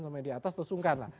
sama yang di atas tersungkan lah